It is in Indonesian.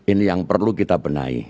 ini yang perlu kita benahi